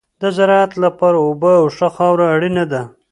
د زراعت لپاره اوبه او ښه خاوره اړینه ده.